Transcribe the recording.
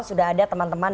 sudah ada teman teman